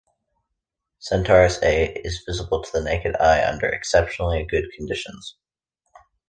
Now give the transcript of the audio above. Centaurus A is visible to the naked eye under exceptionally good conditions.